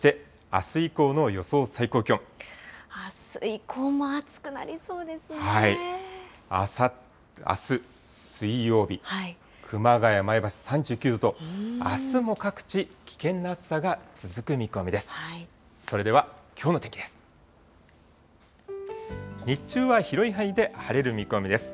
あす水曜日、熊谷、前橋、３９度とあすも各地、危険な暑さが続く見込みです。